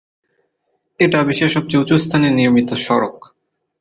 এটা বিশ্বের সবচেয়ে উঁচু স্থানে নির্মিত সড়ক।